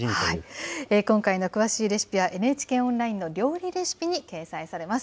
今回の詳しいレシピは、ＮＨＫオンラインの料理レシピに掲載されます。